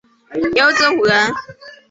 有子五人